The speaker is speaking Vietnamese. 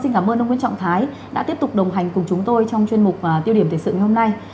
xin cảm ơn ông nguyễn trọng thái đã tiếp tục đồng hành cùng chúng tôi trong chuyên mục tiêu điểm thời sự ngày hôm nay